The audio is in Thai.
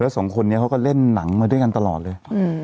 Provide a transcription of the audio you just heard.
แล้ว๒คนนี้ก็เล่นหนังมาด้วยกันตลอดเลย